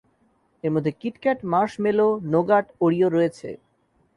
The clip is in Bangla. এর মধ্যে কিটক্যাট, মার্শমেলো, নোগাট, ওরিও রয়েছে।